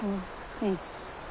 うん。